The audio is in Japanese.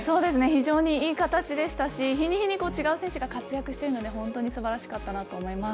非常にいい形でしたし、日に日に違う選手が活躍しているので本当にすばらしかったなと思いま